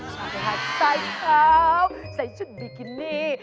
จะหักใส่ขาวใส่ชุดบิกินี่